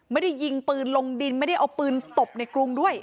ยิงปืนลงดินไม่ได้เอาปืนตบในกรุงด้วย